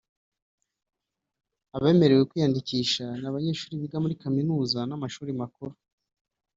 Abemerewe kwiyandikisha ni abanyeshuri biga muri kaminuza n’amashuri makuru